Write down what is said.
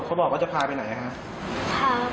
เขาบอกว่าจะพาไปใหนนะฮะ